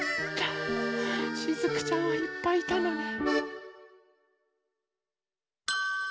しずくちゃんはいっぱいいたのね。